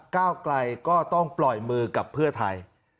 ก้าวไกลก็ต้องปล่อยมือกับเพื่อไทย